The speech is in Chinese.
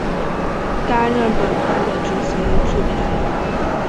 担任本片的执行制片人。